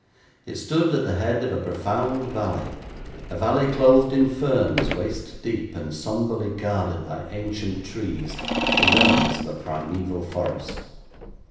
It stood at the head of a profound valley; a valley clothed in ferns waist deep, and sombrely guarded by ancient trees, the remnants of a primeval forest.